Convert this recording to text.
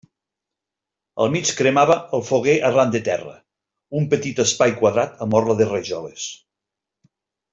Al mig cremava el foguer arran de terra: un petit espai quadrat amb orla de rajoles.